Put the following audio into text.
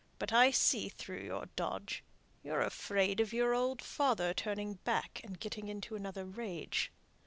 But I see through your dodge. You're afraid of your old father turning back and getting into another rage.